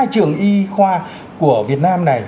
một mươi hai trường y khoa của việt nam này